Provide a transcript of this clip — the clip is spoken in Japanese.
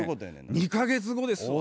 ２か月後ですよ。